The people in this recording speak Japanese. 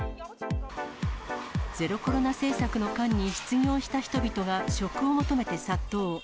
ゼロコロナ政策の間に失業した人々が職を求めて殺到。